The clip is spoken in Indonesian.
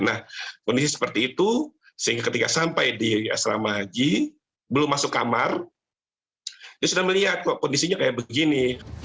nah kondisi seperti itu sehingga ketika sampai di asrama haji belum masuk kamar dia sudah melihat kok kondisinya kayak begini